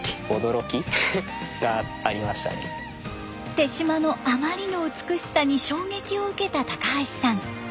手島のあまりの美しさに衝撃を受けた高橋さん。